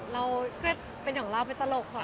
เราก็เป็นของเราเป็นตลกของคน